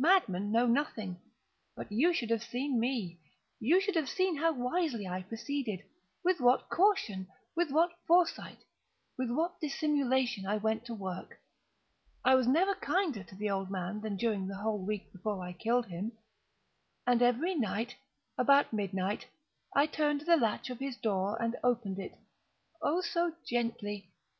Madmen know nothing. But you should have seen me. You should have seen how wisely I proceeded—with what caution—with what foresight—with what dissimulation I went to work! I was never kinder to the old man than during the whole week before I killed him. And every night, about midnight, I turned the latch of his door and opened it—oh, so gently!